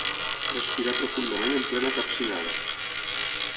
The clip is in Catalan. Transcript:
Respirar profundament en plena capcinada.